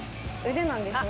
腕なんですね。